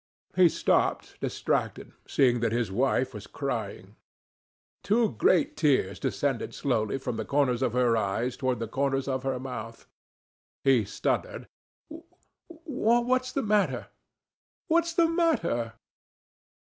He stopped, distracted, seeing that his wife was crying. Two great tears descended slowly from the corners of her eyes toward the corners of her mouth. He stuttered: "What's the matter? What's the matter?"